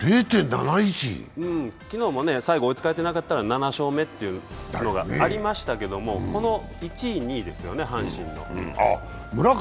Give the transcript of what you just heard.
昨日も最後、追いつかれてなかったら７勝目っていうのがありましたけれどもこの１位、２位ですよね、阪神の。